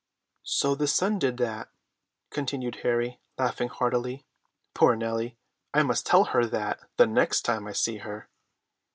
So the sun did that," continued Harry, laughing heartily. "Poor Nellie! I must tell her that the next time I see her."